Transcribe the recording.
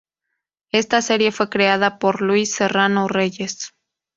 Esta serie fue creada por Luis Serrano Reyes.